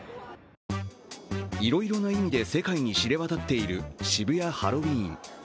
いろいろな意味で世界に知れ渡っている渋谷ハロウィーン。